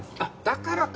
だからか。